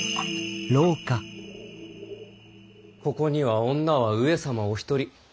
ここには女は上様お一人。